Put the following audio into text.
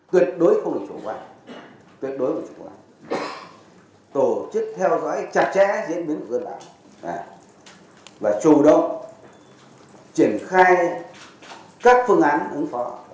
tuyệt đối không được chủ quả tổ chức theo dõi chặt chẽ diễn biến của dân bảo và chủ động triển khai các phương án ứng phó